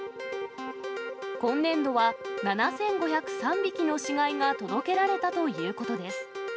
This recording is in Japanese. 今年度は７５０３匹の死骸が届けられたということです。